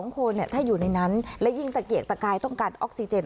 ๒คนถ้าอยู่ในนั้นและยิ่งตะเกียกตะกายต้องการออกซิเจน